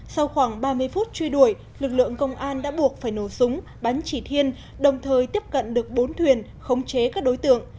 sau khoảng ba mươi phút truy đuổi lực lượng công an đã buộc phải nổ súng bắn chỉ thiên đồng thời tiếp cận được bốn thuyền khống chế các đối tượng